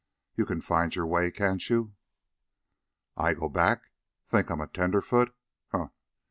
You can find your way, can't you?" "I go back? Think I'm a tenderfoot?